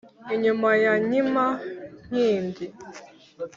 inyuma ya nkima nkindi.